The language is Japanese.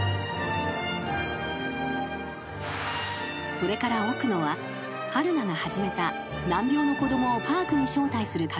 ［それから奥野は春名が始めた難病の子供をパークに招待する活動に従事］